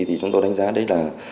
thì chúng tôi đánh giá đấy là